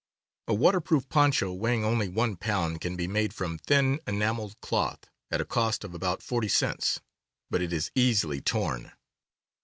A waterproof poncho weighing only one pound can be made from thin enameled cloth, at a cost of about forty cents; but it is easily torn.